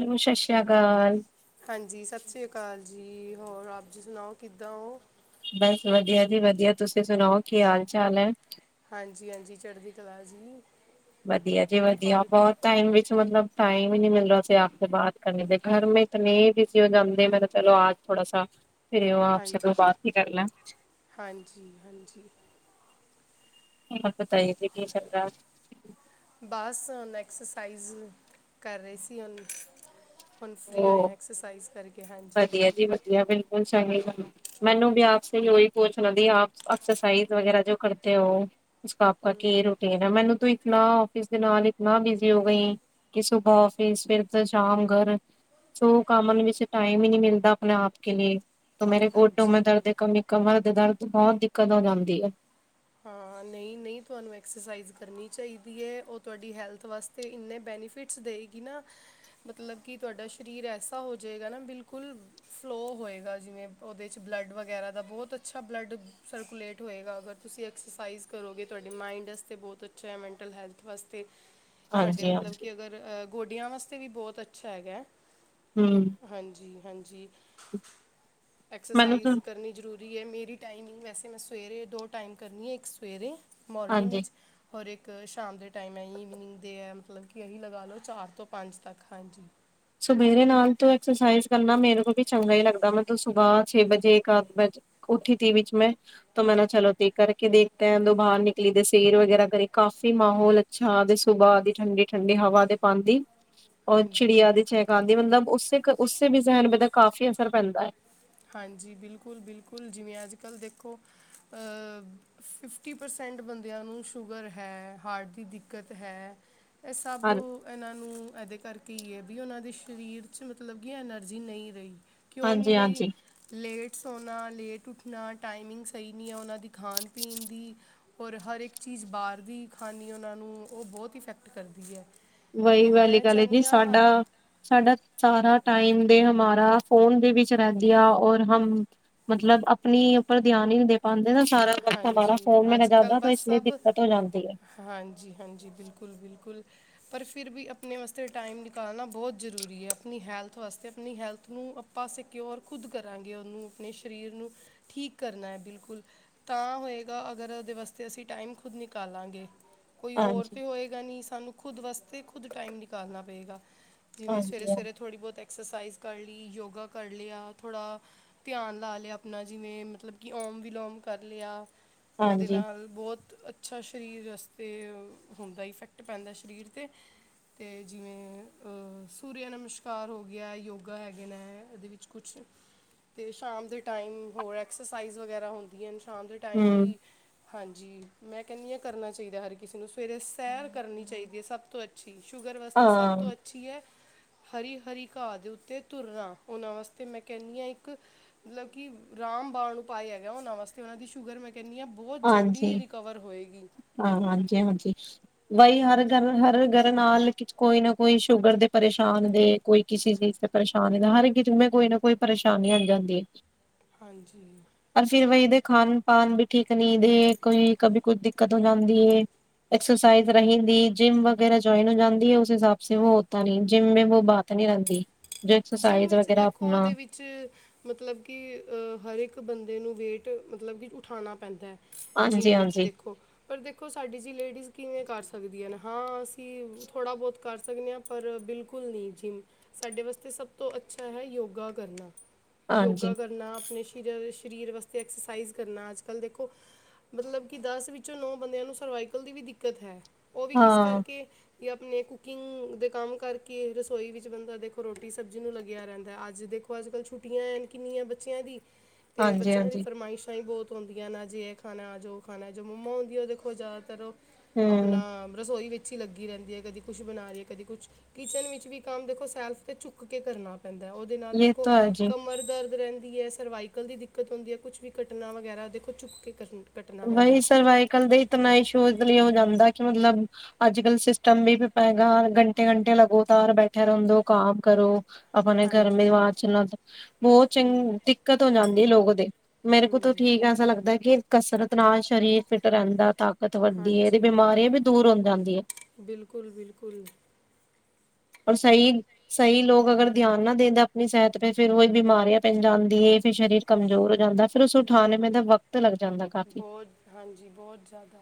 Hello ਸਸਰੀਆ ਅਕਾਲ। ਹਾਂਜੀ। ਸਤਿ ਸ਼੍ਰੀ ਅਕਾਲ ਜੀ। ਹੋਰ ਆਪ ਜੀ ਸੁਣਾਓ ਕਿੱਦਾਂ ਓ? ਬਸ। ਵਧੀਆ ਜੀ ਵਧੀਆ। ਤੁਸੀਂ ਸੁਣਾਓ ਕੀ ਹਾਲ ਚਾਲ ਐ? ਹਾਂਜੀ-ਹਾਂਜੀ। ਚੜ੍ਹਦੀ ਕਲਾ ਜੀ। ਵਧੀਆ ਜੀ ਵਧੀਆ ਹੋਰ ਬਹੁਤ। ਟਾਈਮ ਵਿੱਚ ਮਤਲਬ ਟਾਈਮ ਈ ਨਹੀਂ ਮਿਲ ਰਿਹਾ ਸੀ ਆਪ ਬਾਤ ਕਰਨ ਕਾ। ਘਰ ਮੇ ਇਤਨੇ ਬਿਜ਼ੀ ਹੋ ਜਾਂਤੇ ਮੈਂ ਤਾਂ ਚਲੋ ਆ ਥੋੜਾ ਸਾ ਫਿਰ ਆਪ ਸੇ ਦੈ ਬਾਤ ਹੀ ਕਰ ਲੈ। ਹਾਂਜੀ-ਹਾਂਜੀ। ਔਰ ਬਤਾਈਏ ਵੀ ਕੀ ਚਲਤਾ ਬਸ ਹੁਣ ਐਕਸਰਸਾਈਜ਼ ਕਰ ਰਹੇ ਸੀ ਹੁਣ। ਹੁਣ ਫਰੀ ਹੋਏ ਉਹ ਆਾਐਕਸਰਸਾਈਜ਼ ਕਰਕੇ ਵਧੀਆ ਹਾਂਜੀ-ਹਾਂਜੀ। ਜੀ [unintelligible] ਮੈਨੂੰ ਵੀ ਆਪਸੇ ਪੁਛਣਾ ਦੀ ਆਪ ਐਕਸਰਸਾਈਜ਼ ਵਗਰਾ ਜੋ ਕਰਤੇ ਹੋ ਉਸਕਾ ਆਪ ਕੀ ਰੂਟੀਨ ਐ ਮੈਨੂੰ ਤੋ ਇਤਨਾ ਆਫਿਸ ਦੇ ਨਾਲ ਇਤਨਾ ਬਿਜ਼ੀ ਹੋ ਗਈ ਕਿ ਸੁਬਹੇ ਆਫਿਸ ਤੇ ਸ਼ਾਮ ਘਰ ਸੋ ਕਮਨ ਵਿੱਚੈੇ ਟਾਈਮ ਹੀ ਨਹੀਂ ਮਿਲਦਾ ਆਪਣੇ ਆਪ ਕੇ ਲੀਏ। ਮੇਰੇ ਗੋਟੋ ਮੈਂ ਹਾਂਜੀ ਦਰਦ ਕਬੀ ਕਮਰ ਦੇ ਦਰਦ ਬਹੁਤ ਦਿੱਕਤ ਹੋ ਜਾਂਦੀ ਹੈ। ਹਾਂ। ਨਹੀਂ-ਨਹੀਂ ਤੁਹਾਨੂੰ ਐਕਸਰਸਾਈਜ਼ ਕਰਨੀ ਚਾਹੀਦੀ ਐ। ਉਹ ਤੁਹਾਡੀ ਹੈਲਥ ਵਾਸਤੇ ਤੇ ਇੰਨੇ ਬੈਨੀਫਿਟਸ ਦੇਈਗੀ ਨਾ ਮਤਲਬ ਕਿ ਤੁਹਾਡਾ ਸਰੀਰ ਐਸਾ ਹੋ ਜਾਏਗਾ ਨਾ ਬਿਲਕੁਲ ਫਲੋਅ ਹੋਏਗਾ। ਜਿਵੇਂ ਉਹਦੇ 'ਚ ਬਲੱਡ ਵਗੈਰਾ ਦਾ ਬਹੁਤ ਅੱਛਾ ਬਲੱਡ ਸਰਕੂਲੇਟ ਹੋਏਗਾ, ਅਗਰ ਤੁਸੀਂ ਐਕਸਰਸਾਈਜ਼ ਕਰੋਗੇ ਤੁਹਾਡੇ ਮਾਇਂਡ ਵਾਸਤੇ ਬਹੁਤ ਅੱਛਾ ਐ ਮੈਂਟਲ ਹੈਲਥ ਵਾਸਤੇ। ਤੁਹਾਡੇ ਹਾਂਜੀ ਹਾਂ ਮਤਲਬ ਕਿ ਅਗਰ ਗੋਡਿਆਂ ਵਾਸਤੇ ਵੀ ਬਹੁਤ ਅੱਛਾ ਹੈਗੈ। ਹੂ। ਹਾਂਜੀ-ਹਾਂਜੀ। ਮੈਨੂੰ ਤਾਂ ਐਕਸਰਸਾਈਜ਼ ਕਰਨੀ ਜ਼ਰੂਰੀ ਜੇ ਮੇਰੀ ਟਾਈਮਿੰਗ ਵੈਸੇ ਮੈਂ ਸਵੇਰੇ ਦੋ ਟਾਈਮ ਕਰਨੀ ਐ। ਇੱਕ ਸਵੇਰੇ ਮੋਰਨਿੰਗ ਹਾਂਜੀ ਵਿੱਚ ਔਰ ਇੱਕ ਸ਼ਾਮ ਦੇ ਟਾਈਮ ਈਵਨਿੰਗ ਦੇ ਐ ਮਤਲਬ ਕਿ ਇਹੀਂ ਲਗਾ ਲਓ ਚਾਰ ਤੋਂ ਪੰਜ ਤੱਕ। ਹਾਂਜੀ। ਸਵੇਰੇ ਨਾਲ ਤ ਐਕਸਰਸਾਈਜ਼ ਕਰਨਾ ਮੇਰੇ ਕੋ ਵੀ ਚੰਗਾ ਹੀ ਲੱਗਦਾ ਮਤਲਬ ਸੁਬਹ ਛੇ ਵਜੇ ਅੱ ਉੱਠੀ ਤੀ ਵਿੱਚ ਮੈਂ ਤ ਮੈਂ ਨਾ ਚਲੋ ਤੇ ਕਰਕੇ ਦੇਖਤੇ ਐ ਉਦੋਂ ਬਾਹਰ ਨਿਕਲੀ ਦੇ ਸੈਰ ਵਗੈਰਾ ਕਰੀ ਕਾਫ਼ੀ ਮਾਹੌਲ ਛਾ ਤੇ ਸੁਬਾਹ ਦੀ ਠੰਡੀ-ਠੰਡੀ ਹਵਾ ਦੇ ਪਾਂਦੀ। ਹਾਂ [inaudible] ਔਰ ਚਿੜੀਆ ਦੀ ਚੈਕਾਂਦੀ ਮਤਲਬ ਉਸੇ, ਉਸੇ ਵੀ ਜ਼ਹਿਣ ਦਾ ਕਾਫ਼ੀ ਅਸਰ ਪੈਂਦਾ। ਹਾਂਜੀ, ਬਿਲਕੁਲ-ਬਿਲਕੁਲ ਜਿਵੇਂ ਅੱਜ-ਕੱਲ੍ਹ ਦੇਖੋ। ਅ ਫਿਫਟੀ ਪਰਸੈਂਟ ਬੰਦਿਆਂ ਨੂੰ ਸ਼ੂਗਰ ਹੈ ਹਾਰਟ ਦੀ ਦਿੱ ਦਿੱਕਤ ਹੈ ਇਹ ਸਭ ਹਾਂ ਇਹਨਾਂ ਨੂੰ ਇਹਦੇ ਕਰਕੇ ਹੀ ਹੈ ਵੀ ਉਹਨਾਂ ਦੇ ਸਰੀਰ ਚ ਮਤਲਬ ਕਿ ਐਨਰਜੀ ਨਹੀਂ ਰਹੀ। ਕਿਉਂ ਨਹੀਂ ਹਾਂਜੀ ਹਾਂਜੀ ਰਹੀ? ਲੇਟ ਸੋਣਾ, ਲੇਟ ਉੱਠਣਾ, ਟਾਈਮਿੰਗ ਸਹੀ ਨਹੀਂ ਹੈ, ਉਹਨਾਂ ਦੀ ਖਾਣ-ਪੀਣ ਦੀ। ਔਰ ਹਰ ਇੱਕ ਚੀਜ਼ ਬਾਹਰ ਦੀ ਖਾਣੀ ਉਹਨਾਂ ਨੂੰ, ਉਹ ਬਹੁਤ ਇਫੈਕਟ ਕਰਦੀ ਏ। ਵਹੀ ਵਾਲੀ ਗੱਲ ਹੈ ਜੀ, ਸਾਡਾ ਸਾਡਾ ਸਾਰਾ ਟਾਈਮ ਦੇ ਹਮਾਰਾ ਫੋਨ ਦੇ ਵਿੱਚ ਰਹਿੰਦੀ ਆ ਔਰ ਹਮ ਮਤਲਬ ਆਪਨੀ ਉੱਪਰ ਧਿਆਨ ਹੀ ਨੀ ਦੇ ਪਾਉਂਦੇ ਨਾ। ਸਾਰਾ ਵਕਤ ਹਮਾਰਾ ਹਾਂਜੀ ਫੋਨ ਮੇ ਹੈ ਜਾਂਦਾ ਤਾਂ ਇਸਲਿਏ ਦਿੱਕਤ ਹੋ ਜਾਂਦੀ ਏ। ਹਾਂਜੀ-ਹਾਂਜੀ, ਬਿਲਕੁਲ-ਬਿਲਕੁਲ। ਪਰ ਫਿਰ ਵੀ ਆਪਨੇ ਵਸਤੇ ਟਾਈਮ ਨਿਕਾਲਨਾ ਬਹੁਤ ਜ਼ਰੂਰੀ ਹੈ ਆਪਨੀ ਹੈਲਥ ਵਾਸਤੇ, ਆਪਨੀ ਹੈਲਥ ਨੂੰ ਆਪਾ ਸਕਯੋਰ ਖੁਦ ਕਰਾਂਗੇ ਉਨੂੰ ਆਪਣੇ ਸਰੀਰ ਨੂੰ ਠੀਕ ਕਰਨਾ ਹੈ ਬਿਲਕੁਲ। ਤਾਂ ਹੋਏਗਾ, ਅਗਰ ਉਦੇ ਵਸਤੇ ਅਸੀਂ ਟਾਈਮ ਖੁਦ ਨਿਕਾਲਾਂਗੇ ਕੋਈ ਹੋਰ ਹਾਂਜੀ ਤਾਂ ਹੋਏ ਗਾ ਨੀ ਸਾਨੂੰ ਖੁਦ ਵਸਤੇ ਖੁਦ ਟਾਈਮ ਨਿਕਾਲਨਾ ਪਏਗਾ, ਜਿਵੇਂ ਹਾਂਜੀ ਹਾਂ ਸਵੇਰੇ-ਸਵੇਰੇ ਥੋੜੀ ਬਹੁਤ ਐਕਸਰਸਾਈਜ਼ ਕਰ ਲੀ, ਯੋਗਾ ਕਰ ਲਿਆ ਥੋੜਾ ਧਿਆਨ ਲਾ ਲਿਆ ਆਪਣਾ, ਜਿਵੇਂ ਮਤਲਬ ਕਿ ਓਮ- ਵਿਲੋਮ ਕਰ ਲਿਆ ਉਹਦੇ ਹਾਂਜੀ ਨਾਲ ਬਹੁਤ ਅੱਛਾ ਸਰੀਰ ਵਸਤੇ ਹੁੰਦਾ ਇਫੈਕਟ ਪੈਂਦਾ ਸਰੀਰ 'ਤੇ ਤੇ ਜਿਵੇਂ ਸੂਰਿਆ ਨਮਸਕਾਰ ਹੋ ਗਿਆ ਯੋਗਾ ਹੈਗੇ ਨੇ ਇਹਦੇ ਵਿੱਚ ਕੁਛ ਤੇ ਸ਼ਾਮ ਦੇ ਟਾਈਮ ਹੋਰ ਐਕਸਰਸਾਈਜ਼ ਵਗੈਰਾ ਹੁੰ ਹੁੰਦੀ ਹਨ ਸ਼ਾਂਮ ਦੇ ਟਾਈਮ ਹੂੰ ਵੀ ਹਾਂਜੀ, ਮੈਂ ਕਹਿੰਦੀ ਹਾਂ ਕਰਨਾ ਚਾਹੀਦਾ ਹਰ ਕਿਸੇ ਨੂੰ ਸਵੇਰੇ ਸੈਰ ਕਰਨੀ ਚਾਹੀਦੀ ਹੈ ਸਭ ਤੋਂ ਅਛ ਜੀ ਸ਼ੂਗਰ ਵਾਸਤੇ ਸਭ ਹਾਂ ਤੋਂ ਅੱਛੀ ਏ ਹਰੀ-ਹਰੀ ਘਹ ਦੇ ਉੱਤੇ ਤੁਰਨਾ ਉਹਨਾਂ ਵਸਤੇ ਮੈਂ ਕਹਿੰਦੀ ਹਾਂ ਇੱਕ ਮਤਲਬ ਕਿ ਰਾਮ ਬਾਣ ਉਪਾਏ ਹੈਗਾ ਉਹਨਾਂ ਉਹਨਾਂ ਦੀ ਸ਼ੂਗਰ ਮੈਂ ਕਹਿੰਦੀ ਹਾਂ ਬਹੁਤ ਜਲਦੀ ਰਿਕਵਰ ਹੋਏਗੀ। ਹਾਂ-ਹਾਂਜੀ-ਹਾਂਜੀ। ਬਾਈ ਹਰ ਘਰ ਹਰ ਘਰ ਨਾਲ ਕੋਈ ਨਾ ਕੋਈ ਸ਼ੂਗਰ ਦੇ ਪਰੇਸ਼ਾਨ ਦੇ ਕੋਈ ਕਿਸੇ ਚੀਜ਼ ਤੇ ਪਰੇਸ਼ਾਨੀ ਨਾ ਹਰ ਕਿਸੇ ਕੋਈ ਨਾ ਕੋਈ ਪਰੇਸ਼ਾਨੀ ਆ ਜਾਂਦੀ ਏ। ਹਾਂਜੀ। ਅਸੀਂ ਵਿਹਦੇ ਖਾਣ-ਪਾਨ ਵੀ ਠੀਕ ਨਹੀਂ ਦੇ, ਕੋਈ ਕਦੀ ਕੋਈ ਦਿੱਕਤ ਹੋ ਜਾਂਦੀ ਏ। ਐਕਸਰਸਾਈਜ਼ ਰਹਿੰਦੀ, ਜਿੰਮ ਵਗੈਰਾ ਜੁਆਇਨ ਹੋ ਜਾਂਦੀ ਹੈ, ਉਸ ਹਿਸਾਬ ਉਹ ਹੋਤਾ ਨਹੀਂ ਜਿੰਮ ਮੇ ਵੋ ਬਾਤ ਨੀ ਰਹਿੰਦੀ ਜੋ ਐਕਸਰਸਾਈਜ਼ ਵਗੈਰਾ ਆਪਣਾ ਚ ਮਤਲਬ ਕਿ ਹਰ ਇੱਕ ਬੰਦੇ ਨੂੰ ਵੇਟ ਮਤਲਬ ਕਿ ਉਠਾਣਾ ਪੈਂਦਾ ਏ। ਜਿੰਮ ਹਾਂਜੀ ਵਿੱਚ ਹਾਂਜੀ ਦੇਖੋ। ਪਰ ਦੇਖੋ ਸਾਡੀ ਜੀ ਲੇਡੀਜ਼ ਕਿਵੇਂ ਕਰ ਸਕਦੀਆਂ, ਹਾਂ ਅਸੀਂ ਥੋੜ੍ਹਾ ਬਹੁਤ ਕਰ ਸਕਦੇ ਹਾਂ ਪਰ ਬਿਲਕੁਲ ਨਹੀਂ ਜਿਮ ਸਾਡੇ ਵਾਸਤੇ ਸਭ ਤੋਂ ਅੱਛਾ ਹੈ, ਯੋਗਾ ਕਰਨਾ ਹਾਂਜੀ ਯੋਗਾ ਕਰਨਾ ਨਾ ਆਪਣੇ ਸਰੀਰ ਵਾਸਤੇ ਐਕਸਰਸਾਈਜ਼ ਕਰਨਾ ਅੱਜ-ਕੱਲ੍ਹ ਦੇਖੋ ਮਤਲਬ ਕਿ ਦਸ ਵਿੱਚੋਂ ਨੌ ਬੰਦਿਆਂ ਨੂੰ ਸਰਵਾਈਕਲ ਦੀ ਵੀ ਦਿੱਕਤ ਹੈ। ਉਹ ਵੀ ਕਿਸ ਹਾਂ ਕਰਕੇ, ਜਾਂ ਆਪਣੇ ਕੁਕਿੰਗ ਦੇ ਕੰਮ ਕਰਕੇ, ਰਸੋਈ ਵਿੱਚ ਬੰਦਾ ਦੇਖੋ ਰੋਟੀ ਸਬਜ਼ੀ ਨੂੰ ਲੱਗਿਆ ਰਹਿੰਦਾ ਅੱਜ ਦੇਖੋ ਅਜ-ਕੱਲ ਛੁੱਟੀਆਂ ਹੈਨ ਕਿੰਨੀਆਂ ਬੱਚਿਆਂ ਦੀ। ਤੇ ਹਾਂਜੀ ਬੱਚਿਆਂ ਦੀ ਹਾਂਜੀ ਫਰਮਾਇਸ਼ਾਂ ਈਂ ਬੋਤ ਹੁੰਦੀਆਂ ਨੇ ਅੱਜ ਏ ਖਾਣਾ, ਅੱਜ ਓ ਖਾਣਾ, ਜੋ ਮੰਮਾ ਹੁੰਦੀਆਂ ਓ ਦੇਖੋ, ਜ਼ਿਆਦਾਤਰ ਓ ਆਪਣਾ ਹੂੰ ਰਸੋਈ ਵਿੱਚ ਚ ਲੱਗੀ ਰੈਂਦੀ ਐ, ਕਦੀ ਕੁੱਛ ਬਣਾ ਰੀ ਐ, ਕਦੀ ਕੁੱਛ ਕਿਚਂਨ ਵਿੱਚ ਵੀ ਕੰਮ ਦੇਖੋ, ਸੈਲਫ ਤੇ ਚੁੱਕ ਕੇ ਕਰਨਾ। ਪੈਂਦਾ ਓਦੇ ਨਾਲ ਇਹ ਦੇਖੋ ਤਾਂ ਹੈ ਜੀ ਕਮ ਕਮਰ ਦਰਦ ਰੈਂਦੀ ਐ, ਸਰਵਾਈਕਲ ਦੀ ਦਿੱਕਤ ਹੁੰਦੀ ਐ। ਕੁਛ ਵੀ ਕਟਨਾ ਵਗੈਰਾ ਦੇਖੋ, ਚੁੱਕ ਕੇ ਕਰਨ ਕੱਟਣਾ ਪੈਂਦਾ ਬਈ ਹੈ। ਸਰਵਾਈਕਲ ਦੇ ਇਤਨਾਂ ਈਸ਼ੋ ਲਈ ਹੋ ਜਾਂਦਾ ਕਿ ਮਤਲਬ ਅੱਜ-ਕਲ ਸਿਸਟਮ ਵੀ ਪੇਗਾ ਘੰਟੇ-ਘੰਟੇ ਲਗੋਤਾਰ ਬੈਠਿਆ ਰੇਂਦੋ ਕਾਮ ਕਰੋ। ਆਪਣੇੇ ਗਰਮੀੇ ਹਾਂਜੀ ਵਾਚ [unintelligible] ਬੋਤ ਚਿੰ ਹਮ, ਦਿੱਕਤ ਹੋ ਜਾਂਦੀ ਐ ਲੋਕੋਦੇ, ਮੇਰੇ ਕੋਲ ਤਾਂ ਹਮ, ਠੀਕ ਐਸਾ ਲੱਗਦਾ ਕਿ ਕਸਰਤ ਨਾਲ ਸਰੀਰ ਫਿੱਟ ਰੇਂਦਾ, ਤਾਕਤ ਵੱਧਦੀ ਏਦੀ ਬਿਮਾਰੀਆਂ ਵੀ ਦੂਰ ਹੋ ਜਾਂਦੀ ਐ। ਬਿਲਕੁਲ-ਬਿਲਕੁਲ। ਔਰ ਸਈ ਸਈ ਲੋਕ ਅਗਰ ਧਿਆਨ ਨਾਂ ਦੇਂਦਾ ਆਪਣੀ ਸਿਹਤ ਤੇ ਫੇਰ ਓਈ ਬਿਮਾਰੀਆਂ ਪੈ ਜਾਂਦੀ ਏ ਫਿਰ ਸਰੀਰ ਕਮਜ਼ੋਰ ਹੋ ਜਾਂਦਾ, ਫਿਰ ਓਸ ਉਠਾਨੇ ਮੇਂ ਦਾ ਵਕਤ ਲੱਗ ਜਾਂਦਾ। ਕਾਫੀ ਬੋਤ ਹਾਂਜੀ, ਬੋਤ ਜ਼ਿਆਦਾ।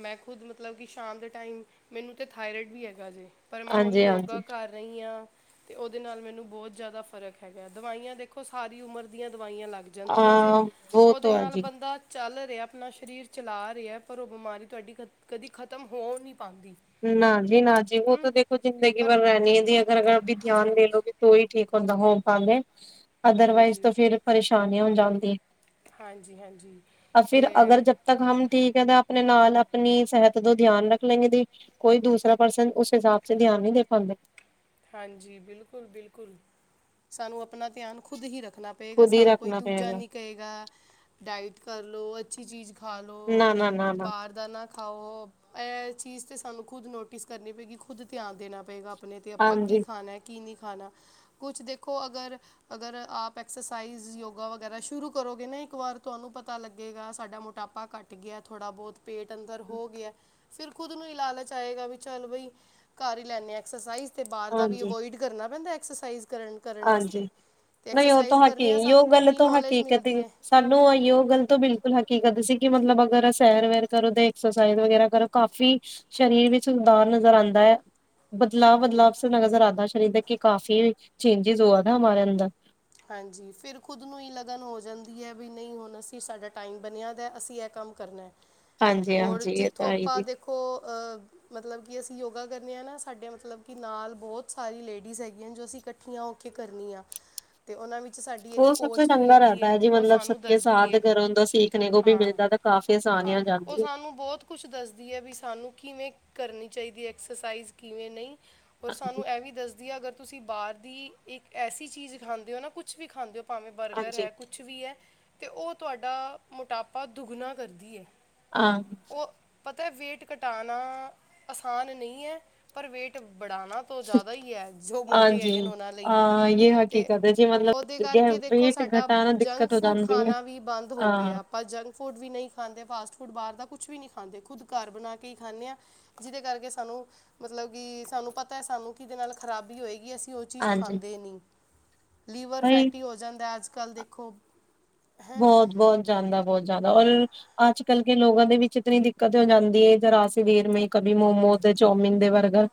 ਮੈਂ ਖੁਦ ਮਤਲਬ ਕਿ ਸ਼ਾਮ ਦੇ ਟਾਈਮ ਮੈਨੂੰ ਤੇ ਥਾਇਰਇਡ ਵੀ ਹੈਗਾ ਜੇ ਪਰ ਮੈਂ ਹੁਣ ਯੋਗਾ ਹਾਂਜੀ-ਹਾਂਜੀ ਕਰ ਰਹੀਆਂ। ਤੇ ਓਦੇ ਨਾਲ ਮੈਨੂੰ ਬੋਤ ਜਿਆਦਾ ਫ਼ਰਕ ਹੈਗਾ, ਦਵਾਈਆਂ ਦੇਖੋ, ਸਾਰੀ ਉਮਰ ਦੀਆਂ ਦਵਾਈਆਂ ਲੱਗ ਅ ਜਾਂਦੀਆਂ ਜੇ। ਵੋ ਓਦੇ ਤੋ ਹੈ ਨਾਲ ਜੀ ਬੰਦਾ ਚੱਲ ਰਿਆ, ਆਪਣਾ ਸਰੀਰ ਚਲਾ ਰਿਆ ਪਰ ਓ ਬਿਮਾਰੀ ਤੁਆਡੀ ਕਦ ਕਦੀ ਖਤਮ ਹੋ ਨੀਂ ਪਾਂਦੀ। ਨਾਂ ਜੀ ਨਾਂ, ਜੀਹੂ ਤਾਂ ਦੇਖੋ ਜ਼ਿੰਦਗੀ ਪਰ ਭਰ ਰੈਣੀ ਐ ਜੀ, ਅਗਰ ਅਗਰ ਆਪ ਦੀ ਧਿਆਨ ਦੇ ਹਾਂਜੀ ਲੋੋਗੇ ਤੇ ਤੋ ਈ ਠੀਕ ਹੁੰਦਾ ਹੋ ਪਾਵੋਗੇ, ਅਦਰ ਵਾਈਜ਼ ਹਾਂਜੀ ਤੇ ਫਿਰ ਪਰੇਸ਼ਾਨੀ ਹੋ ਜਾਂਦੀ ਐ। ਹਾਂਜੀ ਹਾਂਜੀ ਅ ਤੇ ਫਿਰ ਅਗਰ ਜ ਤ ਹਮ ਠੀਕ ਹੈ ਤਾਂ ਆਪਣੇ ਨਾਲ ਆਪਣੀ ਸਿਹਤ ਦਾ ਧਿਆਨ ਰੱਖ ਲੈਂਗੇ ਦੀ ਕੋਈ ਦੂਸਰਾ ਪਰਸਨ ਉਸ ਹਿਸਾਬ ਸੇ ਧਿਆਨ ਨਈਂ ਦੇ ਪਾਂਦੇ। ਹਾਂਜੀ ਬਿਲਕੁਲ ਬਿਲਕੁਲ, ਸਾਨੂੰ ਆਪਣਾ ਧਿਆਨ ਖੁਦ ਹੀ ਰੱਖਣਾ ਪਏਗਾ, ਸਾਨੂੰ ਕੋਈ ਦੂਜਾ ਨੀ ਕਏਗਾ ਡਾਈਟ ਕਰਲੋ ਅੱਛੀ ਚੀਜ਼ ਖਾ ਲੋ। ਬਾਰ ਦਾ ਨਾਂ ਖਾਓ। ਏ ਚੀਜ਼ ਤੇ ਸਾਨੂੰ ਖੁੱਦ ਨੋਟਿਸ ਕਰਨੀ ਪਏਗੀ, ਖੁਦ ਧਿਆਨ ਦੇਣਾ ਪਏਗਾ ਆਪਣੇ ਤੇ। ਆਪਾਂ ਕੀ ਖਾਣਾ ਕੀ ਨ੍ਹੀਂ ਖਾਣਾ। ਕੁਛ ਦੇਖੋ ਅਗਰ ਅਗਰ ਆਪ ਐਕਸਰਸਾਈਜ਼ ਯੋਗਾ ਵਗੈਰਾ ਸ਼ੁਰੂ ਕਰੋਗੇ ਨਾ ਇੱਕ ਵਾਰ ਤੁਆਨੂੰ ਪਤਾ ਲੱਗੇਗਾ ਸਾਡਾ ਮੁ ਮੋਟਾਪਾ ਘੱਟ ਗਿਆ, ਥੋੜ੍ਹਾ ਬੋਤ ਪੇਟ ਅੰਦਰ ਹੋ ਗਿਆ। ਫਿਰ ਖੁਦ ਨੂੰ ਇ ਲਾਲਚ ਆਏਗਾ ਵੀ, ਚੱਲ ਬਈ ਕਰ ਈ ਲੈਂਨੇ ਆ ਐਕਸਰਸਾਈਜ਼। ਤੇ ਬਾਰ ਦਾ ਵੀ ਅਵੋਇਡ ਕਰਨਾ ਪੈਂਦਾ ਐਕਸਰਸਾਈਜ਼ ਕਰਨ ਕਰਨ ਵਾਸਤੇ ਤੇ ਐਕਸਰਸਾਈਜ਼ ਕਰਨੇ ਆ ਸਾਨੂੰ ਕਿੰਨੀ ਨੌਲੇਜ ਮਿਲਦੀ ਐ। ਸਾਨੂੰ ਆਇਓ ਗੱਲ ਤੋਂ ਬਿਲਕੁਲ ਹਕੀਕਤ ਸੀ ਕਿ ਮਤਲਬ ਅਗਰ ਸੈਰ-ਵੈਰ ਕਰੋ ਤੇ ਐਕਸਸਾਈਜ਼ ਵਗੇਰਾ ਕਰੋ ਕਾਫੀ ਸ਼ਰੀਰ ਵਿੱਚ ਸੁਧਾਰ ਨਜ਼ਰ ਆਂਦਾ ਐ। ਬਦਲਾ-ਬਦਲਾਵ ਸਾ ਨਜ਼ਰ ਆਂਦਾ ਸ਼ਰੀਕ ਤੇ ਕਿ ਕਾਫ਼ੀ ਚੇਂਜਿਜ ਹੋਆ ਨਾਂ ਹਮਾਰੇ ਅੰਦਰ। ਹਾਂਜੀ ਫਿਰ ਖੁਦ ਨੂੰ ਈ ਲਗਨ ਹੋ ਜਾਂਦੀ ਐ ਵੀ ਨਈਂ ਹੁਣ ਅਸੀਂ ਸਾਡਾ ਟਾਈਮ ਬਣਿਆ ਦਾ ਅਸੀਂ ਐ ਕੰਮ ਕਰਨਾ। ਹਾਂਜੀ ਹੋਰ ਹਾਂਜੀ ਇਹ ਜਿੱਥੋਂ ਤਾਂ ਹੈ ਆਪਾਂ ਜੀ। ਦੇਖੋ ਮਤਲਬ ਕਿ ਅਸੀਂ ਯੋਗਾ ਕਰਨੇਂ ਆਂ ਨਾਂ ਸਾਡੇ ਮਤਲਬ ਕਿ ਨਾਲ ਬੋਤ ਸਾਰੀ ਲੇਡੀਜ਼ ਹੈਗੀਆਂ ਜੋ ਅਸੀਂ ਕਠ ਠੀਆਂ ਹੋਕੇ ਕਰਨੀਆਂ ਤੇ ਓਨਾਂ ਵਿ ਸਾਡੀ ਇੱਕ ਕੋਚ ਵੀ ਹੈਗੀ ਓ ਸਾਨੂੰ ਦੱਸਦੀ ਐ, ਹਾਂ। ਹਾਂ, ਉਹ ਸਾਨੂੰ ਬਹੁਤ ਕੁਛ ਦਸਦੀ ਐ। ਵੀ ਸਾਨੂੰ ਕਿਵੇ ਕਰਨੀ ਚਾਹੀਦੀ ਐਕਸਰ ਸਾਈਜ਼, ਕਿਵੇ ਨਹੀ ਹੋਰ ਹਾਂਜੀ ਸਾਨੂੰ ਇਹ ਵੀ ਦੱਸਦੀ ਐ, ਅਗਰ ਤੁਸੀ ਬਾਰ ਦੀ ਇਕ ਐਸੀ ਚੀਜ ਖਾਂਦੇ ਓ ਨਾ। ਕੁਛ ਵੀ ਖਾਦੇ ਓ ਭਾਵੇਂ, ਬਰਗਰ ਹੈ। ਹਾਂਜੀ ਕੁਛ ਵੀ ਐ ਤੇ ਉਹ ਤੁਹਾਡਾ ਮੋਟਾਪਾ, ਦੁੱਗਣਾ ਕਰਦੀ ਐ। ਆਹੋ। ਉਹ ਪਤਾ, ਵੇਟ ਘਟਾਣਾ ਆਸਾਨ ਨਹੀ ਏਂ। ਪਰ ਵੇਟ ਬੜਾਣਾ ਤੋਂ ਜਿਆਦਾ ਈ ਐ। ਜੋ ਮੋਟੇ ਹਾਂਜੀ ਹੈਗੇ ਨੇ ਉਹਨਾ ਲਈ ਤੇ ਉਹਦੇ ਕਰਕੇ ਦੇਖੋ, ਸਾਡਾ ਜੰਕ-ਫੂਡ ਖਾਣਾ ਵੀ ਬੰਦ ਹੋ ਗਿਆ। ਆਪਾ ਜੰਕ ਫੂਡ ਵੀ ਨਹੀ ਖਾਂਦੇ। ਫਾਸਟ-ਫੂਡ ਬਾਹਰ ਦਾ ਕੁਛ ਵੀ ਨੀ ਖਾਂਦੇ। ਖੁਦ ਘਰ ਬਣਾ ਕੇ ਈ ਖ਼ਾਨੇ ਆ। ਜਿਹਦੇ ਕਰਕੇ ਸਾਨੂੰ ਮਤਲਬ ਕਿ, ਸਾਨੂੰ ਪਤਾ ਐ ਸਾਨੂੰ ਕਿ ਕਿਹਦੇ ਨਾਲ ਖ਼ਰਾਬੀ ਹੋਏਗੀ। ਅਸੀ ਉਹ- ਚੀਜ਼ ਹਾਂਜੀ ਖਾਂਦੇ ਨ੍ਹੀਂ। ਲੀਵਰ ਉਹੀ ਫੈਟੀ ਹੋ ਜਾਂਦਾ ਅਜ ਕਲ੍ਹ ਦੇਖੋ- ਹੈ ਬਹੁਤ-ਬਹੁਤ ਜਾਂਦਾ, ਬਹੁਤ ਜਿਆਦਾ। ਔਰ ਅੱਜ-ਕਲ੍ਹ ਕੇ ਲੋਗੋ ਦੇ ਵਿਚ ਇਤਨੀ ਦਿੱਕਤ ਹੋ ਜਾਦੀ ਏ। ਜਰਾ ਸਵੇਰ ਮੇ ਕਭੀ ਮੋਮੋ ਤੇ ਚੋਮਿਨ ਦੇ ਬਰਗਰ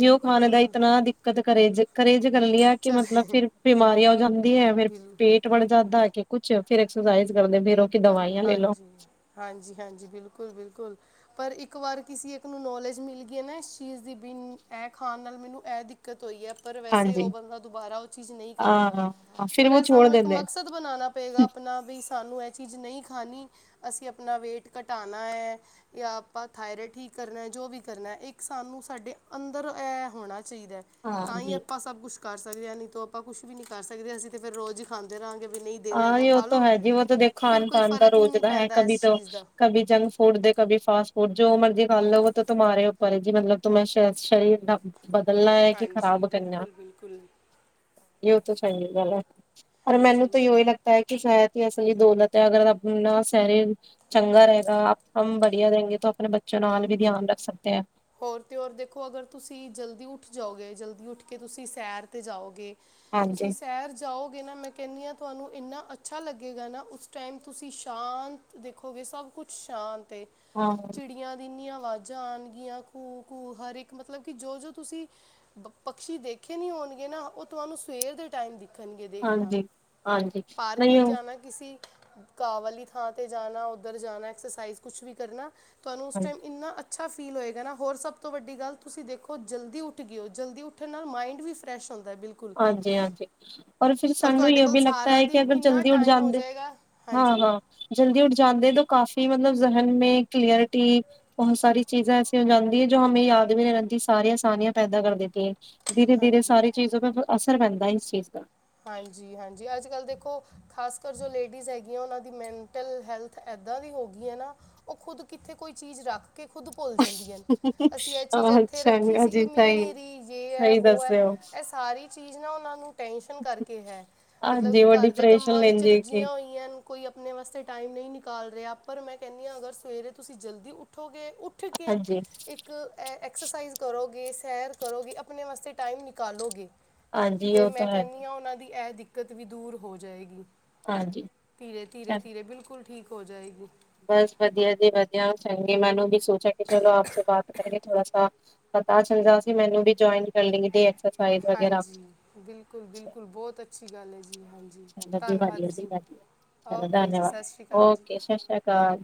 ਜੇ ਉਹ ਖਾਣੇ ਦਾ ਇਤਨਾ ਦਿ ਕਤ ਕਰੇ ਜੇ, ਕਰੇ ਜੇ ਕਰ ਲੀ ਆ ਕਿ ਚਲ ਮਤਲਬ ਫੇਰ ਬਿਮਾਰੀ ਆ ਜਾਂਦੀ ਐ। ਫਿਰ ਬਿਲ ਪੇਟ ਬੜ ਜਾਦਾ ਏ ਕੇ ਕੁੱਛ ਫਿਰ ਐਕਸਰ ਸਾਈਜ਼ ਕਰਦੇ ਫਿਰੋ ਕਰੋ ਹਾਂਜੀ। ਹਾਂਜੀ-ਹਾਂਜੀ, ਬਿਲਕੁਲ-ਬਿਲਕੁਲ। ਪਰ ਇਕ ਵਾਰ ਕਿਸੀ ਇਕ ਨੂੰ ਨੋਲੇਜ ਮਿਲਗੀ ਏ ਨਾ, ਇਸ ਚੀਜ਼ ਦੀ। ਬੀ ਐ ਖਾਣ ਨਾਲ, ਮੈਨੂੰ ਐ ਦਿੱਕਤ ਹੋਈ ਐ। ਪਰ ਵੈਸੇ ਉਹ ਹਾਂਜੀ ਬੰਦਾ ਦੁਬਾਰਾ ਉਹ ਚੀਜ਼ ਨਹੀ ਕਰੇਗਾ। ਹਾਂ ਫਿਰ ਪਰ ਉਹ ਐ ਛੋੜ ਸਾਨੂੰ ਇਕ ਦਿੰਦੇ ਮਕਸਦ ਖੁਦ ਬਨਾਨਾ ਪਏਗਾ ਆਪਣਾ ਵੀ ਸਾਨੂੰ ਚੀਜ਼ ਨਹੀ ਖਾਨੀ। ਅਸੀ ਆਪਣਾ ਵੇਟ ਘਟਾਨਾ ਏ। ਯਾਂ ਆਪਾਂ ਥਾਇਰਡ ਠੀਕ ਕਰਨਾ। ਜੋ ਵੀ ਕਰਨਾ, ਇਕ ਸਾਨੂੰ ਸਾਡੇ ਅੰਦਰ ਐ ਹੋਣਾ ਚਾਹੀਦਾ ਹਾਂ ਤਾਂ ਈ ਜੀ ਆਪਾ ਸਭ ਕੁੱਛ ਕਰ ਸਕਦੇ ਆ। ਨੀ ਤੇ ਆਪਾ ਕੁਛ ਵੀ ਨੀ ਕਰ ਸਕਦੇ। ਅਸੀ ਤੇ ਫਿਰ ਰੋਜ਼ ਈ ਖਾਂਦੇ ਰਾਂਅਗੇ ਵੀ ਨਹੀ ਆ ਈ ਉਹ ਤਾਂ ਹੈ ਜੀ। ਉਹ ਤਾਂ ਦੇਖ ਖਾਣ-ਪਾਣ ਤਾਂ ਫਰਕ ਹੀ ਰੋਜ਼ ਨਹੀਂ ਦਾ ਹੈ। ਪੈਂਦਾ ਕਬੀ ਇਸ ਤੋਂ ਚੀਜ਼ ਦਾ ਕਬੀ ਜੰਕ- ਹੁਣ ਦੇ ਕਭੀ ਫਾਸਟ-ਫੂਡ ਜੋ ਮਰਜ਼ੀ ਖਾਲੋ। ਵੋ ਤੋ ਤੁਮਾਰ੍ਹੇ ਉਪਰ ਐ ਜੀ। ਮਤਲਬ ਤੁਮੇ ਸ ਸਰੀਰ ਦਾ ਬਦਲਣਾ ਐ ਕਿ ਹਾਂਜੀ ਖ਼ਰਾਬ ਕਰਨਾ। ਬਿਲਕੁਲ ਬਿਲਕੁਲ ਇਹ ਤੇ ਚੰਗੀ ਗੱਲ ਐ। ਪਰ ਮੈਨੂੰ ਹਾਂਜੀ ਲਗਤਾ ਐ ਕਿ ਸ਼ਾਇਤ ਯੇ ਅਸਲੀ ਦੌਲਤ ਐ। ਅਗਰ ਆਪਣਾ ਸਰੀਰ ਚੰਗਾ ਰਹੇਗਾ। ਆਪ-ਹਮ ਬੜੀਆ ਰਹੇਂਗੇ ਤੋ ਆਪਣੇ ਬੱਚਿਆਂ ਨਾਲ ਵੀ ਧਿਆਨ ਰੱਖ ਸਕਤੇ। ਹੋਰ ਤੇ ਹੋਰ, ਦੇਖੋ ਅਗਰ ਤੁਸੀ ਜ਼ਲਦੀ ਉਠ ਜਾਓਗੇ। ਜ਼ਲਦੀ ਉਠ ਕੇ ਤੁਸੀ ਸੈਰ 'ਤੇ ਜਾਓਗੇ ਤੁਸੀ ਹਾਂਜੀ ਸੈਰ ਜਾਓਗੇ ਨਾ ਮੈ ਕਹਿੰਨੀ ਆ, ਤੁਹਾਨੂੰ ਇਨਾ ਅੱਛਾ ਲਗੇਗਾ ਨਾ। ਉਸ ਟਾਈਮ ਤੁਸੀ ਸ਼ਾਂਤ ਦੇਖੋਗੇ ਸਭ ਕੁਛ ਸ਼ਾਂਤ ਏ। ਹਾਂ। ਚਿੜੀਆਂ ਦੀ ਇੰਨੀਆਂ ਆਵਾਜ਼ਾਂ ਆਣਗੀਆਂ। ਘੂ-ਘੂ ਹਰ ਇੱਕ ਮਤਲਬ ਕਿ, ਜੋ-ਜੋ ਤੁਸੀ ਬ ਪਕਸ਼ੀ ਦੇਖੇ ਨ੍ਹੀਂ ਹੋਣਗੇ ਨਾ, ਉਹ ਤੁਹਾਨੂੰ ਸਵੇਰ ਦੇ ਟਾਈਮ ਦਿ ਖਣਗੇ ਦੇਖਣਾ, ਹਾਂਜੀ ਹਾਂਜੀ ਪਾਰਕ ਨਹੀਂ ਇੱਚ ਜਾਣਾ ਕਿਸੀ ਘਾਹ ਵਾਲੀ ਥਾਂ ਤੇ ਜਾਨਾ, ਉਧਰ ਜਾਨਾ। ਐਕਸਰਸਾਈਜ਼ ਕੁਛ ਵੀ ਕਰਨਾ ਤੁਹਾਨੂੰ ਉਸ ਹਾਂਜੀ ਟਾਈਮ ਇਨਾਂ ਅੱਛਾ ਫੀਲ ਹੋਏਗਾ ਨਾ ਹੋਰ ਸਭ ਤੋ ਵਡੀ ਗੱਲ ਤੁਸੀ ਦੇਖੋ ਜਲਦੀ ਉਠਗੇ ਓ। ਜਲਦੀ ਉੱਠਣ ਨਾਲ ਮਾਇੰਡ ਵੀ ਫਰੈਸ਼ ਹੁੰਦਾ। ਬਿਲਕੁਲ ਹਾਂਜੀ-ਹਾਂਜੀ, ਔਰ ਫਿਰ ਸਾਨੂੰ ਤੁਹਾਡੇ ਜੇਹ ਕੋਲ ਬੀ ਲਗਤਾ ਸਾਰਾ ਐ ਕਿ, ਦਿਨ ਅਗਰ ਇੰਨਾ ਜਲਦੀ ਉਠ ਟਾਈਮ ਹੋ ਜਾਂਦੇ, ਜਾਏਗਾ ਹਾਂਜੀ ਹਾਂ-ਹਾਂ। ਜਲਦੀ ਉੱਠ ਜਾਦੇ ਤਾਂ ਕਾਫ਼ੀ ਮਤਲਬ, ਜਹਿਨ ਮੈ ਕਲੀਅਰਿਟੀ ਬਹੁਤ ਸਾਰੀ ਚੀਜ਼ਾਂ ਐਸੀ ਹੋ ਜਾਦੀ ਐ, ਜੋ ਹਮੇ ਯਾਦ ਵੀ ਨੀ ਰੈਂਦੀ। ਸਾਰੀਆਂ ਆਸਾਨੀਆਂ ਪੈਦਾ ਕਰ ਦੇਤੀ ਏ। ਧੀਰੇ-ਧੀਰੇ ਹਾਂਜੀ ਸਾਰੀ ਚੀਜ਼ੋ ਦਾ, ਫਿਰ ਅਸਰ ਪੈਂਦਾ ਇਸ ਚੀਜ਼ ਤੇ ਹਾਂਜੀ-ਹਾਂਜੀ, ਅਜ-ਕਲ੍ਹ ਦੇਖੋ ਖਾਸ ਕਰ ਜੋ ਲੇਡੀਜਸ ਹੈਗੀਆਂ ਉਹਨਾ ਦੀ ਮੈਟਲ ਹੈਲਥ ਇਦਾਂ ਦੀ ਹੋ ਗਈ ਐ, ਨਾ- ਉ ਖੁਦ ਕਿਥੇ ਕੋਈ ਚੀਜ ਰਖ ਕੇ ਖੁਦ ਭੁਲ ਜਾਂਦੀਆਂ ਨੇ- ਅਸੀ ਇਹ ਚੀਜ ਇਥੇ ਰਖੀ ਸੀ ਮਿਲ ਨਹੀ ਰਹੀ ਯੇ ਐ ਵੋ ਐ। ਇਹ ਸਾਰੀ ਚੀਜ ਨਾ ਉਹਨਾ ਨੂੰ ਟੈਸ਼ਨ- ਸ਼ਨ ਕਰਕੇ ਹੈ ਮਤਲਬ ਕਿ ਘਰ ਦੇ ਕਮਾ ਵਿਚ ਰੁਝੀਆਂ ਹੋਈਆਂ। ਕੋਈ ਆਪਣੇ ਵਾਸਤੇ ਟਾਈਮ ਨਹੀਂ ਨਿਕਾਲ ਰਿਹਾ ਪਰ ਮੈਂ ਕਹਿੰਦੀ ਆ ਅਗਰ ਸਵੇਰੇ ਤੁਸੀਂ ਜਲਦੀ ਉੱਠੋਗੇ ਉੱਠ ਉੱਠ ਕੇ ਇੱਕ ਇੱਕ ਐਕਰਸਾਈਜ਼ ਕਰੋਗੇ ਸੈਰ ਕਰੋਗੇ ਆਪਣੇ ਵਾਸਤੇ ਟਾਈਮ ਨਿਕਾਲੋਗੇ। ਹਾਂਜੀ ਉ ਤਾਂ ਮੈਂ ਹੈ। ਤੇ ਕਹਿੰਨੀ ਉਹਨਾਂ ਦੀ ਇਹ ਦਿੱਕਤ ਵੀ ਦੂਰ ਹੋ ਜਾਏਗੀ। ਧੀਰੇ- ਧੀਰੇ, ਅੱਛਾ, ਧੀਰੇ ਬਿਲਕੁਲ ਠੀਕ ਹੋ ਜਾਏਗੀ। ਬਸ ਵਧੀਆ ਜੀ ਵਧੀਆ ਚੰਗੇ ਮੈਨੂੰ ਵੀ ਸੋਚਿਆ ਕਿ ਚਲੋ ਆਪ ਸੇ ਬਾਤ ਕਰੇ ਥੋੜਾ ਸਾ। ਪਤਾ ਚੱਲਦਾ ਸੀ ਮੈਨੂੰ ਵੀ ਜੁਆਇਨ ਕਰ ਲੇ ਦੇ ਐ ਸਬ- ਹਾਂਜੀ ਬਿਲਕੁਲ- ਬਿਲਕੁਲ ਬੋਤ ਅੱਛੀ ਗੱਲ ਐ ਜੀ ਹਾਂਜੀ ਚਲੋ ਜੀ ਵਧੀਆ ਧੰਨਵਾਦ ਜੀ। ਵਧੀਆ ਚਲੋ ਓਕੇ ਜੀ ਧੰਨਵਾਦ ਸਤਿ ਸ਼੍ਰੀ ਅਕਾਲ ਜੀ ਓਕੇ ਸਤਿ ਸ਼੍ਰੀ ਅਕਾਲ।